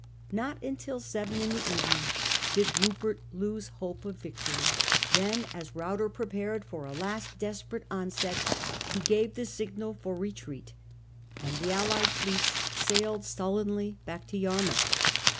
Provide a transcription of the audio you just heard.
Not until 7 in the evening did Rupert lose hope of victory. Then, as Ruyter prepared for a last desperate onset, he gave the signal for retreat, and the allied fleets sailed sullenly back to Yarmouth.